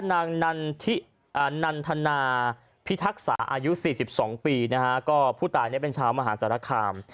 นางนันทนาพิทักษ์อายุสี่สิบสองปีนะคะก็ผู้ตายนี่เป็นชาวมหาศาลกราม